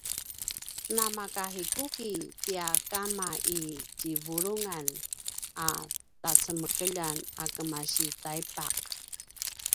namakahikuki tia kama i tjivuluan a tacemekeljan a kemasi taipaq